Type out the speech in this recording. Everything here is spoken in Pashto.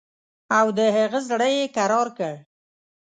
او د هغه زړه یې کرار کړ.